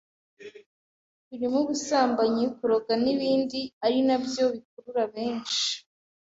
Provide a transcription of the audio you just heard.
birimo ubusambanyi, kuroga n’ibindi ari nabyo bikurura benshi